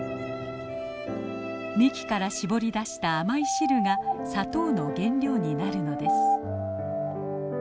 幹から搾り出した甘い汁が砂糖の原料になるのです。